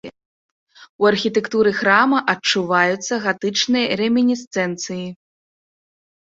У архітэктуры храма адчуваюцца гатычныя рэмінісцэнцыі.